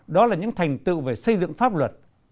đó là những thành tựu về xây dựng pháp luật